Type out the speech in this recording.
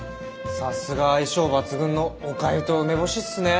さすが相性抜群のおかゆと梅干しっすね。